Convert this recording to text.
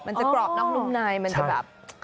มันจะกรอบนอกนุ่มในมันจะแบบ